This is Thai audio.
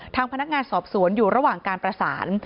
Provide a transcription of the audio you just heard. ทางพนักงานสอบสวนอยู่ระหว่างการประสาน